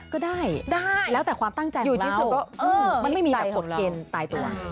ก็ได้แล้วแต่ความตั้งใจของเรามันไม่มีแบบกดเกณฑ์ตายตัว